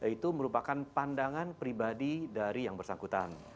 itu merupakan pandangan pribadi dari yang bersangkutan